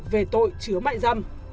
về tội chứa mại dâm